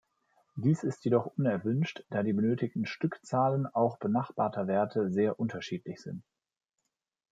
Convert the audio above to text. Dies ist jedoch unerwünscht, da die benötigten Stückzahlen auch benachbarter Werte sehr unterschiedlich sind.